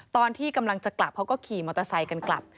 ตอนที่กำลังจะกลับเขาก็ขี่มอเตอร์ไซค์กันกลับ